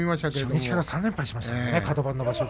初日から３連敗しましたからね、カド番の場所で。